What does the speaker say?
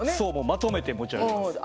まとめて持ち上げます。